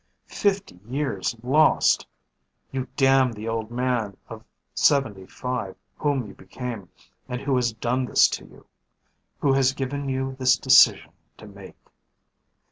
Fifty years lost. You damn the old man of seventy five whom you became and who has done this to you ... who has given you this decision to make.